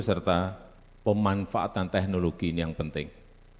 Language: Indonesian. serta pemanfaatan teknologi ini yang penting